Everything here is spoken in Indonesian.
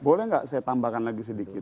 boleh nggak saya tambahkan lagi sedikit